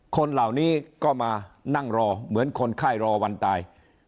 คนเหล่านี้ก็มานั่งรอเหมือนคนไข้รอวันตาย